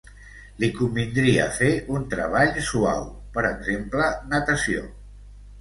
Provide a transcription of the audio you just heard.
Li convindria fer un treball suau, per exemple natació.